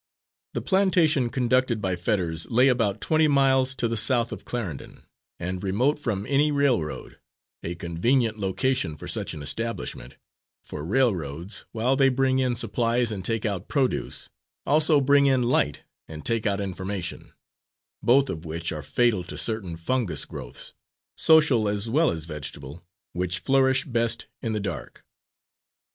The plantation conducted by Fetters lay about twenty miles to the south of Clarendon, and remote from any railroad, a convenient location for such an establishment, for railroads, while they bring in supplies and take out produce, also bring in light and take out information, both of which are fatal to certain fungus growths, social as well as vegetable, which flourish best in the dark.